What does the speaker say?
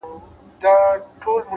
هوډ د شکونو دیوالونه کمزوري کوي،